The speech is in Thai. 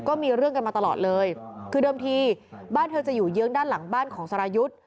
ก็มีเรื่องกันมาตลอดเลยคือเดิมทีบ้านเธอจะอยู่เยื้องด้านหลังบ้านของสรายุทธ์